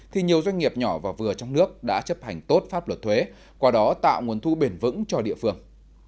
thì nhiều doanh nghiệp nhỏ và vừa trong nước đã chấp hành tốt pháp luật thuế qua đó tạo nguồn thu bền vững cho địa phương